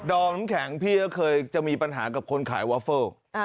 อมน้ำแข็งพี่ก็เคยจะมีปัญหากับคนขายวอเฟิล